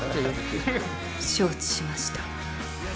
承知しました。